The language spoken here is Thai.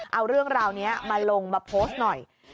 เอาเรื่องราวนี้มาลงมาโพสต์หน่อย